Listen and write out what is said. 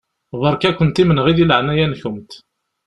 Beṛka-kent imenɣi di leɛnaya-nkent.